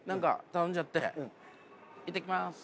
行ってきます。